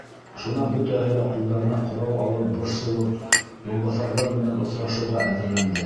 Шунан бөтәһе лә ҡулдарына ҡорал алып, борсолоп, юлбаҫарҙар менән осрашыуға әҙерләнде.